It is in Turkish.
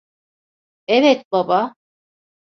Evet, baba.